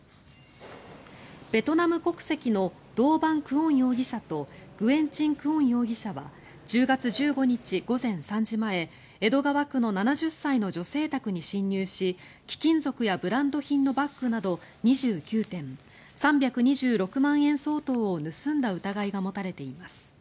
ベトナム国籍のドー・バン・クオン容疑者とグエン・チン・クオン容疑者は１０月１５日午前３時前江戸川区の７０歳の女性宅に侵入し貴金属やブランド品のバッグなど２９点３２６万円相当を盗んだ疑いが持たれています。